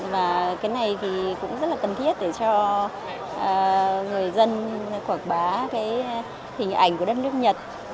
và cái này thì cũng rất là cần thiết để cho người dân quảng bá cái hình ảnh của đất nước nhật